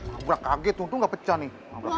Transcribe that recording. ngabrak kaget untung gak pecah nih